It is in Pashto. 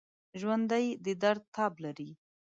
ژوندي د درد تاب لري